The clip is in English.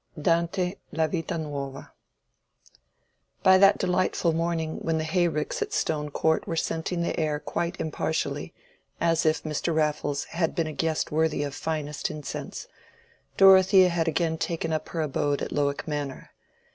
—DANTE: La Vita Nuova. By that delightful morning when the hay ricks at Stone Court were scenting the air quite impartially, as if Mr. Raffles had been a guest worthy of finest incense, Dorothea had again taken up her abode at Lowick Manor.